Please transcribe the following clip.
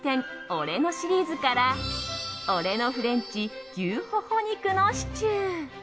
俺のシリーズから俺のフレンチ牛ホホ肉のシチュー。